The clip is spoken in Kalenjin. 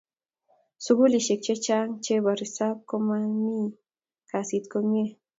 sukulisek che chang che bo resap komai kasit komie